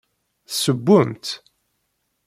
Tessewwem-t?